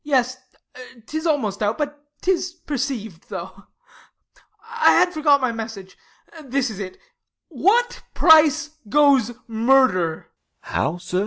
Ah. Yes, 'tis almost out, but 'tis perceiv'd, though. I had forgot my message ; this it is : I oo What price goes murder ? DeF. How, sir?